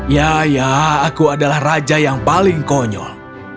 ya ya aku adalah raja yang paling konyol